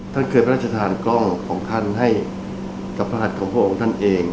ท่านเคยพระราชทานกล้องของท่านให้กับพระหัสของพระองค์ท่านเอง